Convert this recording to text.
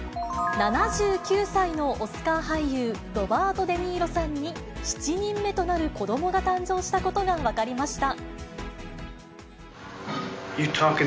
７９歳のオスカー俳優、ロバート・デ・ニーロさんに、７人目となる子どもが誕生したことが分かりました。